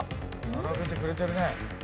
並べてくれてるね。